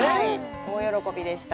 大喜びでした。